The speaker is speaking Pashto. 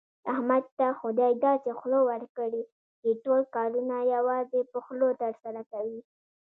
احمد ته خدای داسې خوله ورکړې، چې ټول کارونه یوازې په خوله ترسره کوي.